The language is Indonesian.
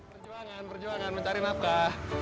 perjuangan perjuangan mencari mapkah